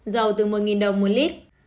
dầu từ một đồng một lít